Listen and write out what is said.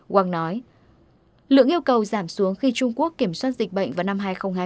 quang nói lượng yêu cầu giảm xuống khi trung quốc kiểm soát dịch bệnh vào năm hai nghìn hai mươi